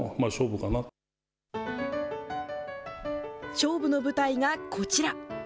勝負の舞台がこちら。